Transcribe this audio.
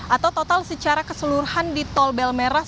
atau total secara keseluruhan di tol belmerah